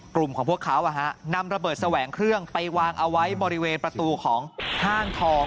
กลุ่มของพวกเขานำระเบิดแสวงเครื่องไปวางเอาไว้บริเวณประตูของห้างทอง